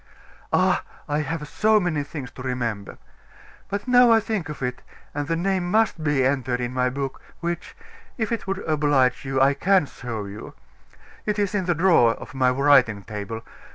"Ah! I have so many things to remember. But now I think of it, and the name must be entered in my book, which, if it would oblige you, I can show you. It is in the drawer of my writing table.